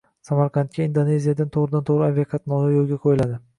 Samarqandga Indoneziyadan to‘g‘ridan-to‘g‘ri aviaqatnovlar yo‘lga qo‘yiladi